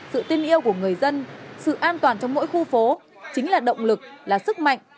sự tin yêu của người dân sự an toàn trong mỗi khu phố chính là động lực là sức mạnh